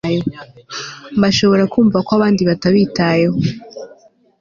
bashobora kumva ko abandi batabitayeho